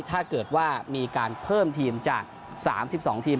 ถ้าเกิดว่ามีการเพิ่มทีมจาก๓๒ทีม